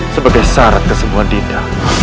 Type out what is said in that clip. sebagai syarat kesembuhan dinda